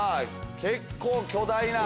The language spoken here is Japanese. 結構巨大な。